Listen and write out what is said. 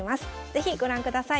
是非ご覧ください。